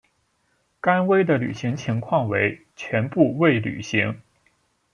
甘薇的履行情况为全部未履行。